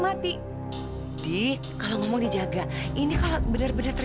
hati kecil papa mengatakan benar